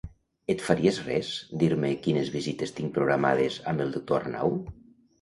Et faries res dir-me quines visites tinc programades amb el doctor Arnau?